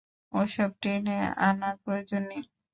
ওসব টেনে আনার প্রয়োজন নেই।